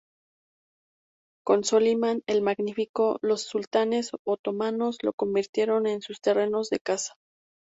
Con Solimán el Magnífico, los sultanes otomanos lo convirtieron en sus terrenos de caza.